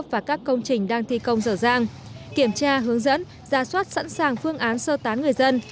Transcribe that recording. và các công trình đang thi công dở dàng kiểm tra hướng dẫn ra soát sẵn sàng phương án sơ tán người dân